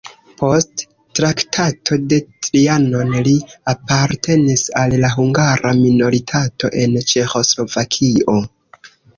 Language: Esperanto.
Post Traktato de Trianon li apartenis al la hungara minoritato en Ĉeĥoslovakio.